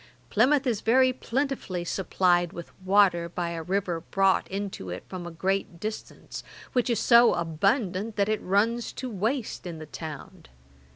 Plymouth is very plentifully supplied with water by a river brought into it from a great distance, which is so abundant that it runs to waste in the town.